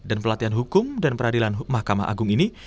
dan pelatihan hukum dan peradilan mahkamah agung ini